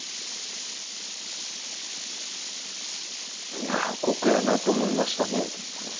いやあ酷やなと思いましたね。